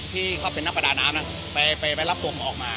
ที่เขาเป็นนับบัดาน้ำนะไปรับตรงออกมา